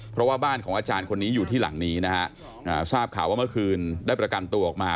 เพราะว่าบ้านของอาจารย์คนนี้อยู่ที่หลังนี้นะฮะทราบข่าวว่าเมื่อคืนได้ประกันตัวออกมา